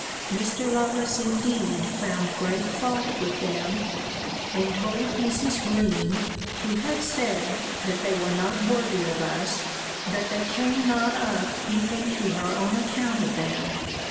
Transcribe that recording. Mr. Lovelace indeed found great fault with them: and told Mrs. Greme (who had said, that they were not worthy of us) that they came not up even to her own account of them.